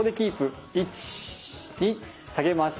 １２下げます。